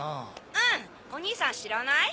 うんおにいさん知らない？